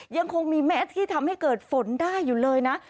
ยังคงมีเม็ดที่ทำให้เกิดฝนได้อยู่เลยนะ